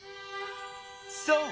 そう！